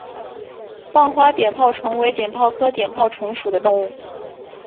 棒花碘泡虫为碘泡科碘泡虫属的动物。